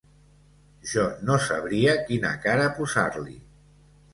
Jo no sabria quina cara posar-li.